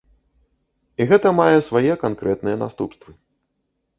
І гэта мае свае канкрэтныя наступствы.